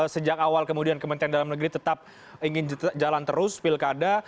sejak awal kemudian kementerian dalam negeri tetap ingin jalan terus pilkada